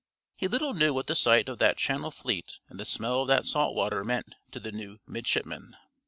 He little knew what the sight of that Channel Fleet and the smell of the salt water meant to the new midshipman.